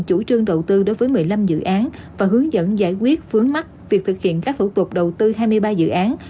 chủ trương đầu tư đối với một mươi năm dự án và hướng dẫn giải quyết vướng mắt việc thực hiện các thủ tục đầu tư hai mươi ba dự án